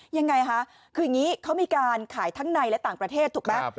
ยังไงคะคืออย่างนี้เขามีการขายทั้งในและต่างประเทศถูกไหม